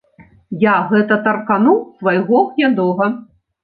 Я гэта таркануў свайго гнядога.